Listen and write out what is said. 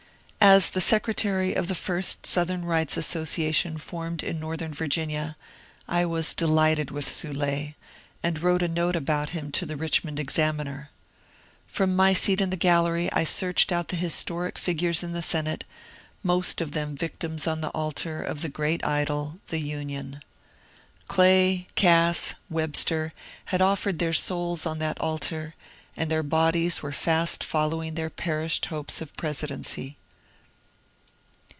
As the secretary of the first Southern Rights Association formed in northern Virginia, I was delighted with Soul^, and wrote a note about him to the ^^ Richmond Examiner." From my seat; in the gallery I searched out the historic figures in the Senate, most of them victims on the altar of the great idol, — the Union. Clay, Cass, Webster, had offered their souls on that altar, and their bodies were fast following their perished hopes of presidency.